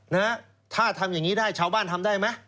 นะฮะถ้าทำอย่างนี้ได้ชาวบ้านทำได้ไหม